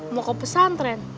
mau ke pesantren